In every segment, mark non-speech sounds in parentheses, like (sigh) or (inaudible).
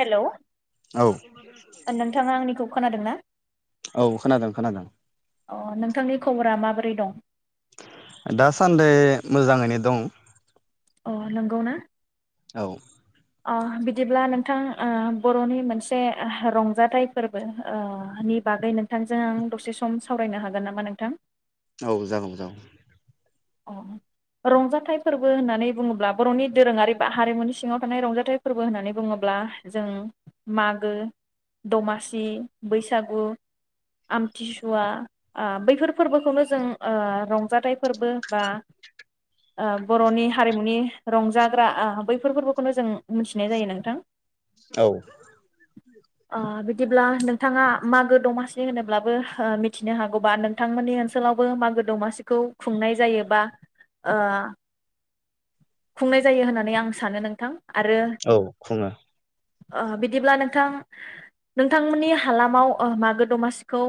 हेल' औ नोंथाङा आंनिखौ खोनादों ना औ खोनादों खोनादों अ नोंथांनि खबरा माबोरै दं दासान्दै मोजाङैनो दं अ नोंगौ ना औ अ बिदिब्ला नोंथां ओ बर'नि मोनसे रंजाथाइ फोरबो ओ नि बागै नोंथांजों आं दसे सम सावरायनो हागोन नामा नोंथां औ जागौ जागौ अ रंजाथाइ फोरबो होननानै बुङोब्ला बर'नि दोरोङारि बा हारिमुनि सिङाव थानाय रंजाथाइ फोरबो होननानै बुङोब्ला जों मागो दमासि बैसागु आमथिसुवा ओ बैफोर फोरबोखौनो जों ओरंजाथाइ फोरबो बा ओ बर'नि हारिमुनि रंजाग्रा आ बैफोर फोरबोखौनो जों मिथिनाय जायो नोंथां औ आ बिदिब्ला नोंथाङा मागो दमासि होनोब्लाबो ओ मिथिनो हागौबा नोंथांमोननि ओनसोलावबो मागो दमासिखौ खुंनाय जायो बा ओ खुंनाय जायो होननानै आं सानो नोंथां आरो औ खुङो ओ बिदिब्ला नोंथां नोंथांमोननि हालामाव ओ मागो दमासिखौ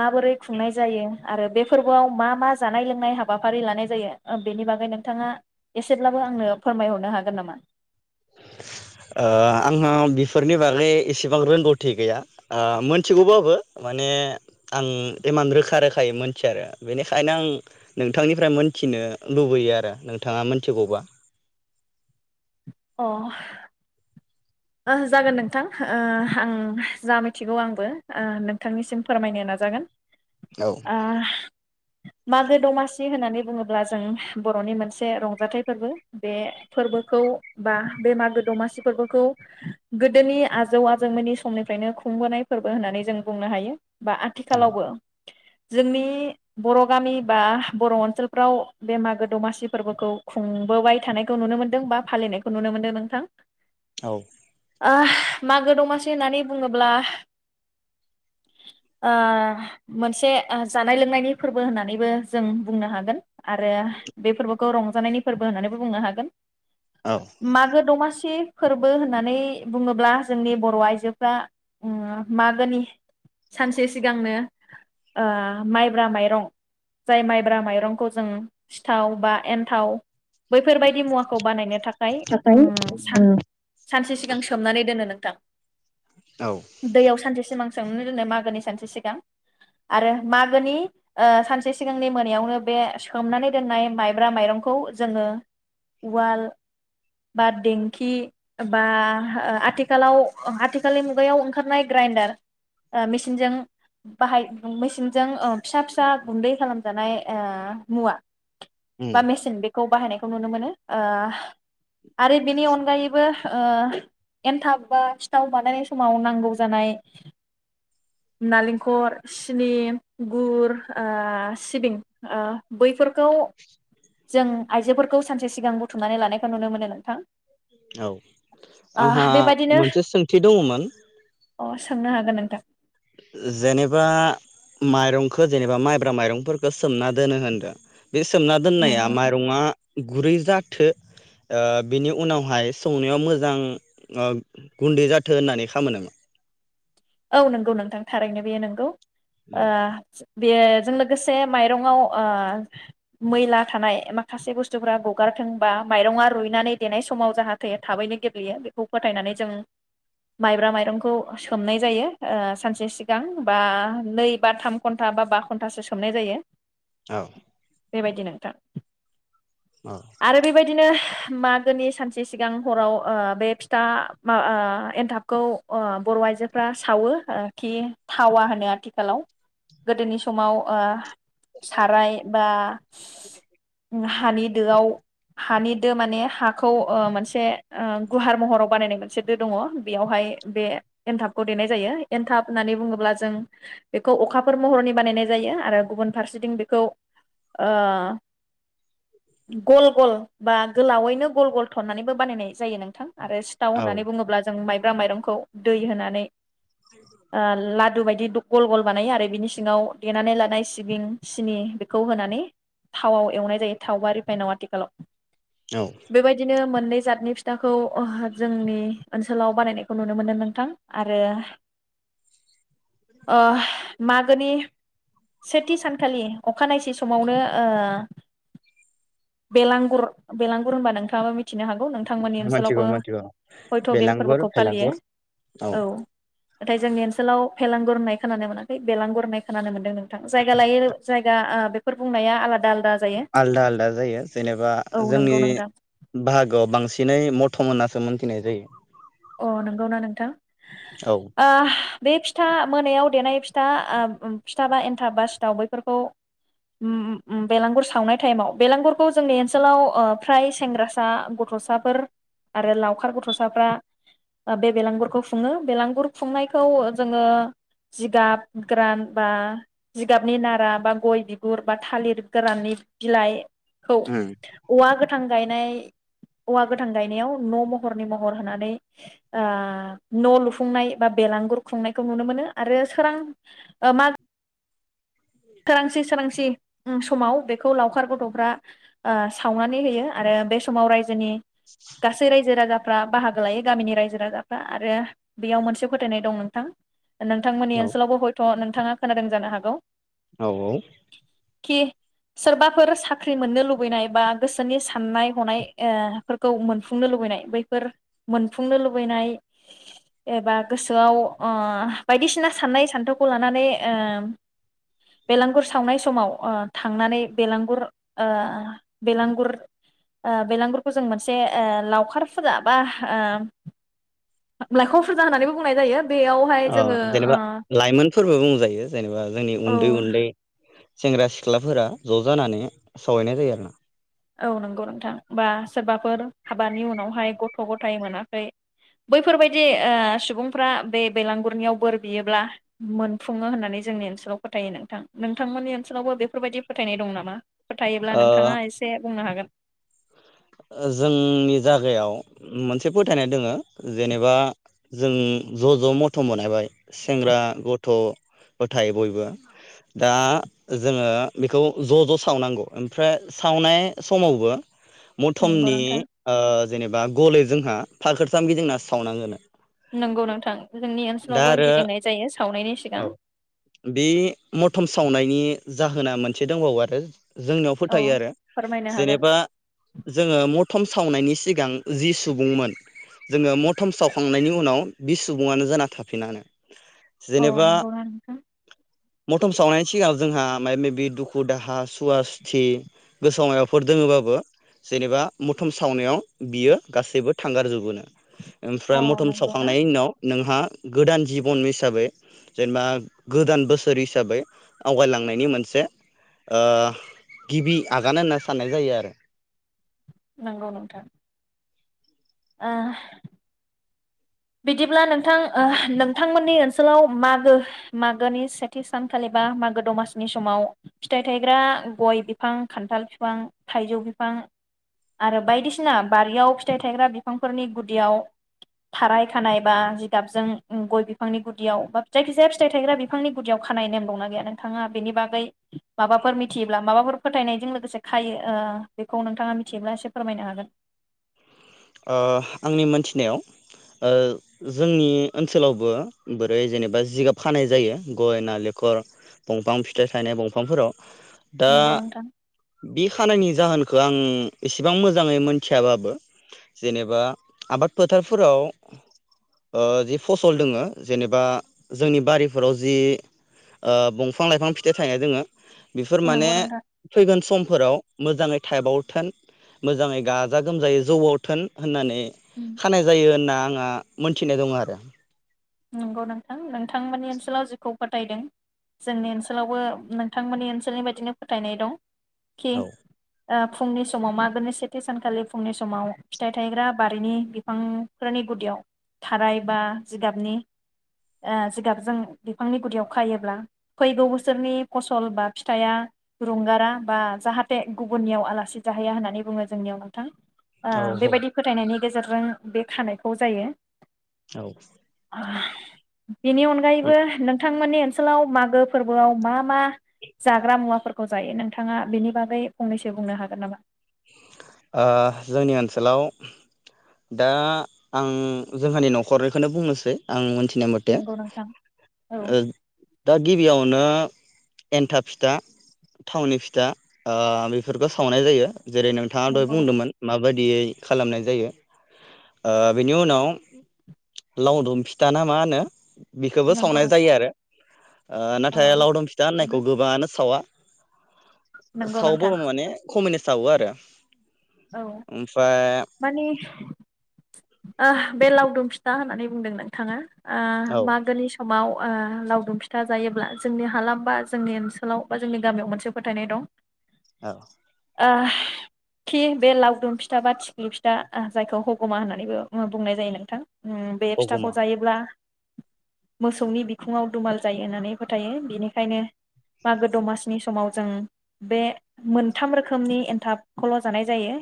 माबोरै खुंनाय जायो आरो बे फोरबोआव मा-मा जानाय-लोंनाय हाब हाबाफारि लानाय जायो ओ बेनि बागै नोंथाङा एसेब्लाबो आंनो फोरमायहरनो हागोन नामा ओ आङो बिफोरनि बागै एसेबां रोंगौथि गैया ओ मोनथिगौबाबो माने आं इमान रोखा-रोखायै मोनथिया आरो बेनिखायनो आं नोंथांनिफ्राय मोनथिनो लुबैयो आरो नोंथाङा मोनथिगौबा अ ओ जागोन नोंथां ओ आं जा मिथिगौ आंबो ओ नोंथांनिसिम फोरमायनो नाजागोन औ आ मागो दमासि होननानै बुङोब्ला जों बर'नि मोनसे रंजाथाइ फोरबो बे फोरबोखौ बा बे मागो दमासि फोरबोखौ गोदोनि आजौ- आजैमोननि समनिफ्रायनो खुंबोनाय फोरबो होननानै जों बुंनो हायो बा आथिखालावबो जोंनि बर' गामि बा बर' ओनसोलफ्राव बे मागो दमासि फोरबोखौ खुंबोबाय थानायखौ नुनो मोनदों बा फालिनायखौ नुनो मोनदों नोंथां औ ओ मागो दमासि होननानै बुङोब्ला ओ मोनसे जानाय-लोंनायनि फोरबो होननानैबो जों बुंनो हागोन आरो बे फोरबो खौ रंजानायनि फोरबो होननानैबो बुंनो हागोन औ मागो दमासि फोरबो होननानै बुङोब्ला जोंनि बर' आइजोफ्रा उम मागोनि सानसे सिगांनो ओ माइब्रा माइरं जाय माइब्रा माइरंखौ जों सिथाव बा एन्थाव बैफोरबायदि मुवाखौ बानाय ओमफ्राय ओम सान सानसे सिगां सोमनानै दोनो नों थां औ दैयाव सानसे सिमां सोमनानै दोनो मागोनि सानसे सिगां आरो मागोनि ओ सानसे सिगांनि मोनायावनो बे सोमनानै दोननाय माइब्रा माइरंखौ जोङो उवाल बा देंखि बा आथिखालाव आथिखालनि मुगायाव ओंखारनाय ग्राइन्डार मेसिनजों बाहाय मेसिनजों ओ फिसा-फिसा गुन्दै खालामजानाय ओ मुवा उम बा मेसिन बे खौ बाहायनायखौ नुनो मोनो ओ आरो बेनि अनगायैबो ओ एन्थाब बा सिथाव बानायनाय समाव नांगौ जानाय नालिंखर, सिनि, गुर, ओ सिबिं ओ बैफोरखौ जों आइजोफोरखौ सानसे सिगां बुथुमनानै लानाय नुनो मोनो नोंथां औ ओ आंहा बेबायदिनो मोनसे सोंथि दङमोन अ, सोंनो हागोन नोंथां जेनेबा माइरंखौ जेनेबा माइब्रा माइरंफोरखौ सोमना दोनो होनदों बे सोमना दोननाया नंगौ नोंथां माइरंआ गुरै जाथो बिनि उनावहाय संनायाव मोजां गुन्दै जाथो होननानै खामो नामा? औ नंगौ नोंथां थारैनो बेयो नोंगौ औ ओ बेजों लोगोसे माइरंआव ओ, मैला थानाय माखासे बुस्थुफोरा गगारथों बा माइरङा रुइनानै देनाय समाव जाहाथे थाबैनो गेब्लेयो बेखौ फोथायनानै जों माइब्रा माइरंखौ सोमनाय जायो सानसे सिगां बा नै बा थाम घन्टा बा बा घन्टासो सोमनाय जायो। औ बेबायदि नोंथां आरो बेबायदिनो मागोनि सानसे सिगां हराव ओ, बे फिथा ओ, एन्थाबखौ ओ, बर' आइजो फ्रा सावो खि, थावा होनो आथिखालाव गोदोनि समाव ओ साराय बा हानि दोआव हानि दो माने हाखौ ओ, मोनसे ओ गुवार महराव बानायनाय मोनसे दो दङ बेयावहाय, बे एनथाब देनाय जायो। एन्थाब होननानै बुङोब्ला जों बेखौ अखाफोर महरनि बानायनाय जायो आरो गुबुन फारसेथिं ओ, बेखौ गल गल बा गोलावैनो गल गल थननानैबो बानायनाय जायो नोंथां आरो सिथाव होननानै औ बुङोब्ला जों माइ माइरंखौ दै होनानै ओ लाद लादु बायदि गल गल बानायो आरो बिनि सिङाव देनानै लानाय सिबिं सिनि बेखौ होनानै थावआव एवनाय जायो थाव बा रिफाइनाव आथिखालाव औ बेबायदिनो मोन मोननै जादनि फिथाखौ ओ जोंनि ओनसोलाव बानायनायखौ नुनो मोनो नोंथां आरो ओ, मागोनि सेथि सानखालि अखानायसि समावनो ओ बेलांगुर बेलांगुर होनबा नोंथाङाबो मि मोन्थिगौ मोन्थिगौ हयथ' बे बेलांगुर फोरबोखौ फालियो भेलांगुर औ। औ नाथाय जोंनि ओनसोलाव भेलांगुर होननाय खोनानो मोनाखै बेलांगुर होननाय खोनानो मोनदों नों जायगा लायो जायगा आ बे फोर बुंनाया आलादा आलदा आलदा आलदा जायो। जेनेबा जोंनि नंगौ नोंथां बाहागोआव बांसिनै म थम होननासो मोन्थिनाय जायो। अ नंगौना नोंथां? औ आह बे फि था मोनायाव देनाय फिथा आ फिथा बा एन्थाब बा सिथाव बैफोरखौ उम उम बेलांगुर सावनाय टाइमाव बेलांगुरखौ जोंनि ओनसोलाव फ्राय सेंग्रासा गथ'साफोर आरो लावखार गथ'साफ्रा ओ बे बेलांगुरखौ खुङो। बेलांगुर खुंनायखौ जोङो जिगाब गोरान बा जिगाबनि नारा बा गय बिगुर बा थालिर गोराननि बिलाइ खौ उम औवा गोथां गायनाय औवा गोथां गायनायाव न' म हरनि महर होनानै ओ न' लुफुंनाय बा बेलांगुर खुंनायखौ नुनो मोनो। आरो सोरां मा सोरांसि सोरांसि समाव बेखौ लावखार गथ'फ्रा ओ सावनानै होयो आरो बे समाव रायजोनि गासै रायजो राजा फ्रा बाहागो लायो गामिनि रायजो राजाफ्रा आरो बेयाव मोनसे फोथायनाय दं नोंथां। नोंथांमोननि औ ओनसोलावबो हयथ' नों थाङा खोनादों जानो हागौ। औ औ। खि सोरबाफोर साख्रि मोननो लुबैनाय बा गोसोनि साननाय हनाय ओ फोरखौ मोनफुंनो लुबैनाय बैफोर मोनफुंनो लुबैनाय एबा गोसोआव ओह बायदिसिना साननाय सान्थौखौ लानानै ओम बेलांगुर सावनाय समाव ओ थांनानै बेलांगुर ओह बेलांगुर ओ बेलांगुरखौ जों मोनसे ओ लावखारफोरा फुजा बा लाइखर फुजा होननानैबो बुंनाय जायो। बेयावहाय जोङो अ जेनेबा लाइमोनफोरबो बुंजायो जेनेबा जोंनि ओ उन्दै उन्दै सेंग्रा सिख्लाफोरा ज' जानानै सावहैनाय जायो आरोना। औ नंगौ नोंथां। बा सोरबाफोर हाबानि उनावहाय गथ' गथाय मोनाखै बैफोरबायदि ओसुबुंफ्रा बे बेलांगुरनियाव बोर बियोब्ला मोनफुङो होननानै जोंनि ओनसोलाव फोथायो नोंथां। नोंथांमोननि ओनसोलावबो बेफोरबायदि फोथायनाय दं नामा? फोथायोबब्ला नोंथाङा ओ एसे बुंनो हागोन। जोंनि जागायाव मोनसे फोथायनाय दोङो जेनेबा जों ज' ज' मथ' बनायबाय सेंग्रा गथ' गथाय बयबो। दा जोङो बेखौ ज' ज' सावनांगौ। ओमफ्राय सावनाय समावबो नंगौ मथमनि नोंथां ओ जेनेबा गले जोंहा फाखोरथाम गिदिंना सावनांगोनो। नोंगौ नोंथां जोंनि दा ओनसोलावबो आरो गिदिंनाय जायो सावनायनि सिगां औ बे मथम सावनायनि नि जाहोना मोनसे दंबावो आरो जोंनियाव औ फोथायो आरो फोरमायनो हागोन जेनेबा जोङो मथम सावनायनि सिगां जि सुबुंमोन जोङो मथम सावखांनायनि उनाव बि सुबुङानो जाना थाफिनानो । अ नंगौ ना नोंथां? मथम सावनायनि सिगाङाव जोंहा मायबा माबि दुखु दाहा सुवाासथि गोसोआव माबाफोर दोङोबाबो जेनेबा मथम सावनायाव बियो गासैबो थांगार जबोनो अ ओमफ्राय मथम नंगौना सावखांनायनि उनाव नोंहा गोदान जिबन हिसाबै जेनेबा गोदान बोसोर हिसाबै आवगायलांनायनि मोनसे ओ गिबि आगान होनना साननाय जायो आरो। नंगौ नोंथां । ओ बिदिब्ला नोंथां नोंथांमोननि ओनसोलाव मागो मागोनि सेथि सानखालि बा मागो दमासिनि समाव फिथाइ थायग्रा गय बिफां खान्थाल बिफां थाइजौ बिफां आरो बायदिसिना बारियाव फिथाइ थायग्रा बिफांफोरनि गुदियाव थाराय खानाय बा जिगाबजों गय बिफांनि गुदियाव बा जायखिजाया फिथाइ थायग्रा बिफांनि गुदियाव खानाय नेम दंना गैया नोंथाङा बेनि बागै माबाफोर मिथियोब्ला माबाफोर फोथायनायजों लोगोसे खायो बेखौ नोंथाङा मिथियोब्ला एसे फोरमायनो हागोन । ओ आंनि मोनथिनायाव ओ जोंनि ओनसोलावबो दा नंगौ नोंथां । बे खानायनि जाहोनखौ आं एसेबां मोजाङै मोनथियाबाबो जेनेबा आबाद फोथारफोराव जि फसल दोङो जेनेबा जोंनि बारिफोराव जि दंफां लाइफां फिथाइ थायनाय दोङो बेफोर माने नंगौ फैगोन समफोराव मोजाङै टाइबाव थोन मोजाङै गाजा गोमजायै जौबावथोन होननानै नोंथां खानाय जायो होनना ङा मोनथिनाय दङ' आरो नंगौ नोंथां नोंथांमोननि ओनसोलाव जिखौ फोथायदों जोंनि ओनसोलावबो नोंथांमोननि ओनसोलनि बायदिनो फोथायनाय दं । औ । ओ फुंनि समाव मागोनि सेथि सानखालि फुंनि समाव फिथाइ थायग्रा बारिनि बिफांफोरनि गुदियाव थाराय बा जिगाबनि ओ जिगाबजों बिफांनि गुदियाव खायोब्ला फैगौ बोसोरनि फसल बा फिथाया रुंगारा बा जाहाथे गुबुननियाव आलासि जाहैया होननानै बुङो जोंनियाव नोंथां । औ ओ औ बेबायदि फोथायनायनि गेजेरजों बे खानायखौ जायो । औ । (inaudible) बेनि अनगायैबो नोंथा थांमोननि ओनसोलाव मागो फोरबोआव मा मा जाग्रा मुवाफोर खौ जायो नोंथाङा बेनि बागै फंनैसो बुंनो हागोन नामा? ओ जोंनि ओनसोलाव दा आं जोंहानि न'खरनिखौनो बुंनोसै आं मोनथि नो मथे नंगौ नोंथां औ ओ दा गिबियावनो एन्थाब फिथा, थावनि फिथा ओ बेफोरखौ सावनाय जायो। जेरै नोंथाङा दहाय नंगौ बुंदोंमोन माबाय दियै खालामनाय जायो ओ बेनि उनाव लावदुम फिथा ना मा होनो बिखोबो नंगौ सावनाय नोंथां जायो आरो औ नाथाय लावदुम फिथा होननायखौ नंगौनो गोबाङानो सावा नंगौ सावोबो नोंथां माने खामायनाय सावो आरो । औ माने ओ बे लावदुम फिथा होननानै बुंदों नोंथाङा । आ औ मागोनिस समाव ओ लावदुम फिथा जायोब्ला जोंनि हालाम बा जोंनि ओनसोलाव बा जोंनि गामियाव मोनसे फोथायनाय दं । औ । ओ । खि बे लावदुम फिथा बा थिंख्लि फिथा जायखौ हगमा होननानैबो बुंनाय जायो नोंथां । उम्म बे हगमा फिथाखौ जायोब्ला मोसौनि बिखुङाव दुमालु जायो होननानै फोथायो बेनिखायनो मागो दमासिनि समाव जों बे मोनथाम रोखोमनि एन्थाबखौल' जानाय जायो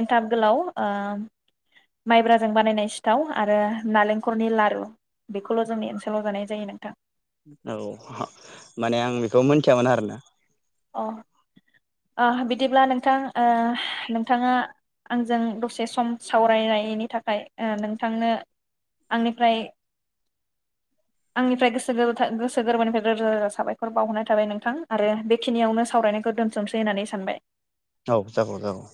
एन्थाब गोलाव ओ माइब्राजों बानायनाय सिथाव आरो नालेंखरनि लारु बेखौल' जोंनि ओनसोलाव जानाय जायो नोंथां । औ माने आं बेखौ मोनथियामोन आरोना । अ ओ बिदिब्ला नोंथां ओ नोंथाङा आंजों दसे सम सावरायनायनि थाखाय नोंथांनो आंनिफ्राय आंनिफ्राय गोसो गोसो गोरबोनिफ्राया रोजा रोजा साबायखर बावहरनाय थाबाय नोंथां आरो बेखिनियावनो सावरायनायखौ दोनथुमसै होननानै सानबाय । औ जागौ जागौ ।